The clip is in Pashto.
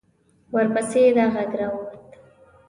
ورپسې دا غږ را ووت.